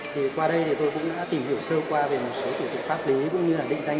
thì qua đây thì tôi cũng đã tìm hiểu sơ qua về một số thủ tục pháp lý cũng như là định danh